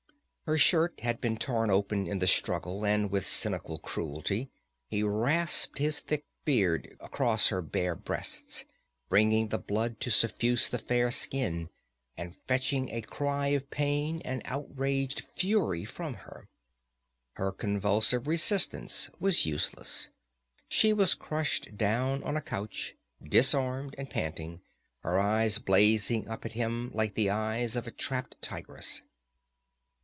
Her shirt had been torn open in the struggle, and with cynical cruelty he rasped his thick beard across her bare breasts, bringing the blood to suffuse the fair skin, and fetching a cry of pain and outraged fury from her. Her convulsive resistance was useless; she was crushed down on a couch, disarmed and panting, her eyes blazing up at him like the eyes of a trapped tigress.